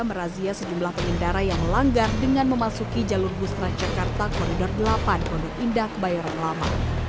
merazia sejumlah pengendara yang melanggar dengan memasuki jalur bus transjakarta koridor delapan pondok indah kebayoran lama